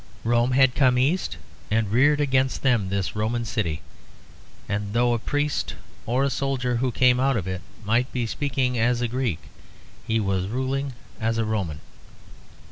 Rome had come east and reared against them this Roman city, and though and priest or soldier who came out of it might be speaking as a Greek, he was ruling as a Roman.